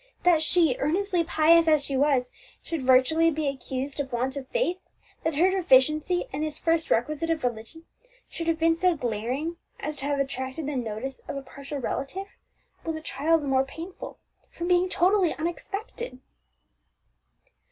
That she, earnestly pious as she was, should virtually be accused of want of faith, that her deficiency in this first requisite of religion should have been so glaring as to have attracted the notice of a partial relative, was a trial the more painful from being totally unexpected.